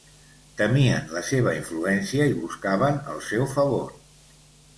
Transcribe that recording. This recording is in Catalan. Temien la seva influència i buscaven el seu favor.